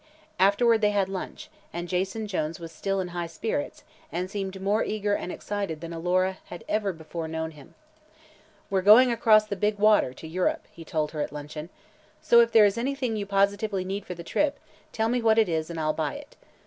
Afterward they had lunch, and Jason Jones was still in high spirits and seemed more eager and excited than Alora had ever before known him. "We're going across the big water to Europe," he told her at luncheon, "so if there is anything you positively need for the trip, tell me what it is and I'll buy it.